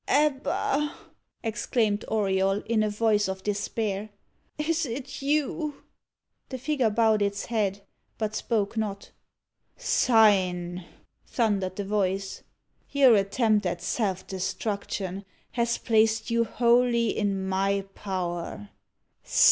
"Ebba!" exclaimed Auriol, in a voice of despair. "Is it you?" The figure bowed its head, but spoke not. "Sign!" thundered the voice. "Your attempt at self destruction has placed you wholly in my power.